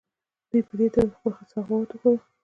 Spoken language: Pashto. دوی په دې توګه خپل سخاوت ښوده.